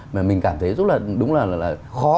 mình cảm thấy rất là đúng là khó